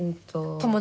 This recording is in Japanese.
友達？